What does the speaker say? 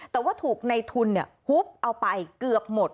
แต่ว่าถูกในทุนหุบเอาไปเกือบหมด